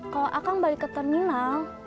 kalo akang balik ke terminal